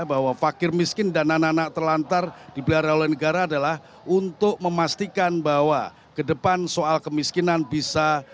bahwa fakir miskin dan anak anak terlantar dipelihara oleh negara adalah untuk memastikan bahwa ke depan soal kemiskinan bisa